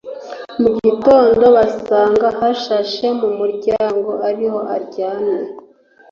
mu gitondo basanga yashashe mu muryango ariho aryamye,